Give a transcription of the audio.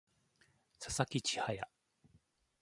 佐々木千隼